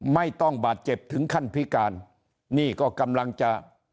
ไม่ต้องบาดเจ็บถึงขั้นพิการนี่ก็กำลังจะ